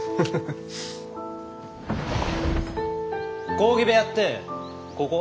講義部屋ってここ？